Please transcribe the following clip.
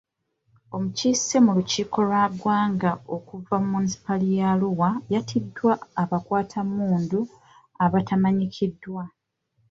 Omukiise mu lukiiko lw'eggwanga okuva mu Munisipaali ya Arua yatiddwa abakwatammundu abatamanyikiddwa.